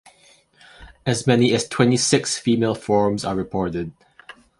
As many as twenty-six female forms are reported.